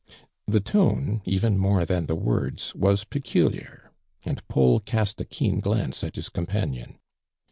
The tone, ?ven more than the words, was peculiar, and Paul cast a keen glance at his companion.